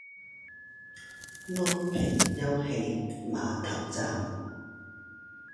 安平遊憩碼頭站